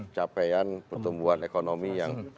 capaian pertumbuhan ekonomi yang